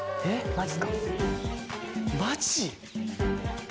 マジ？